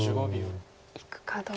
いくかどうか。